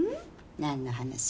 何の話？